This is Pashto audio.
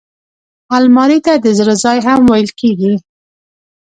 الماري ته د زړه ځای هم ویل کېږي